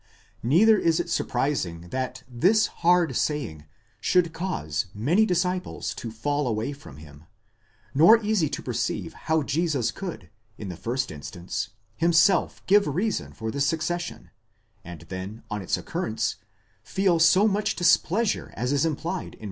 Neither is it surprising that this hard saying, σκληρὸς λόγος, should cause many disciples to fall away from him, nor easy to perceive how Jesus could, in the first in stance, himself give reason for the secession, and then, on its occurrence, feel so much displeasure as is implied in v.